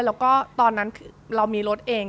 แล้วก็ตอนนั้นคือเรามีรถเอง